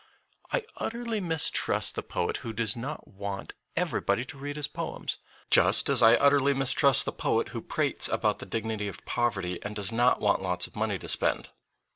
I utterly mistrust the poet who does not want every body to read his poems, just as I utterly mistrust the poet who prates about the dignity of poverty, and does not want lots of money to spend.